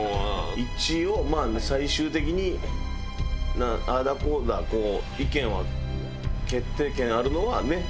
一応最終的にああだこうだ意見は決定権あるのはねっ？